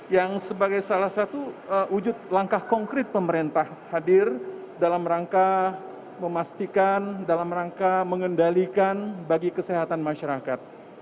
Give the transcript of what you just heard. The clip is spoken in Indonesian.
yang sebagai salah satu wujud langkah konkret pemerintah hadir dalam rangka memastikan dalam rangka mengendalikan bagi kesehatan masyarakat